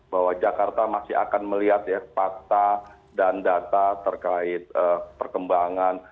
bahwa jakarta masih akan melihat ya fakta dan data terkait perkembangan